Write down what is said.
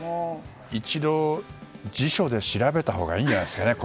一度、辞書で調べたほうがいいんじゃないですかね。